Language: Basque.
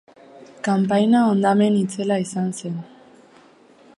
Kanpaina hondamen itzela izan zen.